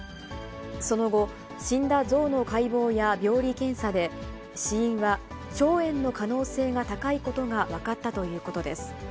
その後、死んだ象の解剖や病理検査で、死因は腸炎の可能性が高いことが分かったということです。